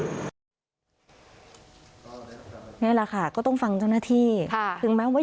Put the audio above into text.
ก็ได้พยายามหาข้อมูลว่าเป็นการกระทำของผู้ใด